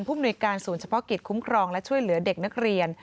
มนุยการศูนย์เฉพาะกิจคุ้มครองและช่วยเหลือเด็กนักเรียน